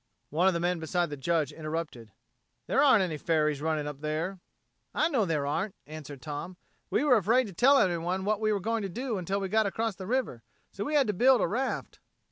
One of the men beside the Judge interrupted: "There aren't any ferries running up there." "I know there aren't," answered Tom. "We were afraid to tell anyone what we were going to do until we got across the river, and so we had to build a raft."